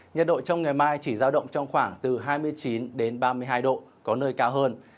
nhiệt độ trong ngày mai chỉ giao động trong khoảng từ hai mươi chín đến ba mươi hai độ có nơi cao hơn